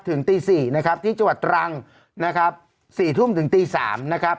ถึงตี๔นะครับที่จังหวัดตรังนะครับ๔ทุ่มถึงตี๓นะครับ